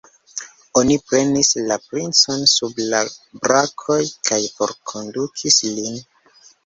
Oni prenis la princon sub la brakoj kaj forkondukis lin.